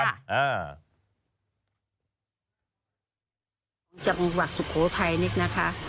จังหวัดสุโขทัยนี่นะคะ